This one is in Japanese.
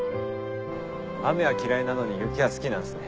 雨は嫌いなのに雪は好きなんすね。